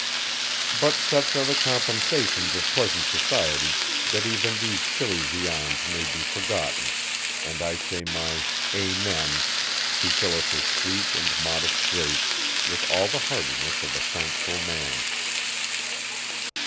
But such are the compensations of pleasant society that even these chilly viands may be forgotten, and I said my "Amen" to Phyllis's sweet and modest grace with all the heartiness of a thankful man.